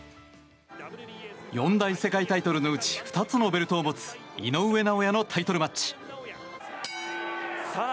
四大世界タイトルのうち２つのベルトを持つ井上尚弥のタイトルマッチ。